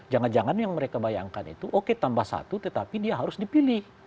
jangan jangan yang mereka bayangkan itu oke tambah satu tetapi dia harus dipilih